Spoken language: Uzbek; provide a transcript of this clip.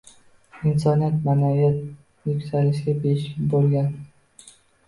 Insoniyat ma’naviy yuksalishiga beshik bo‘lgan.